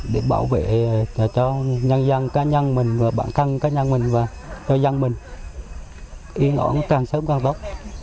để bảo vệ cho nhân dân cá nhân mình và bản thân cá nhân mình và cho dân mình yên ổn càng sớm càng tốt